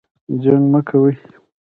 جنګ مه کوئ